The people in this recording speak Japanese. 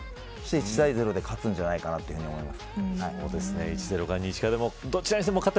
１対０で勝つんじゃないかと思います。